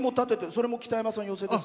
それも北山さんを？